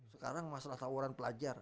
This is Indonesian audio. sekarang masalah tawuran pelajar